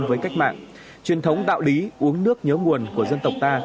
với cách mạng truyền thống đạo lý uống nước nhớ nguồn của dân tộc ta